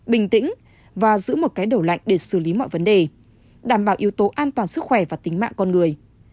bình tĩnh và giữ một cái đầu lạnh để xử lý mọi vấn đề đảm bảo yếu tố an toàn sức khỏe và tính mạng con người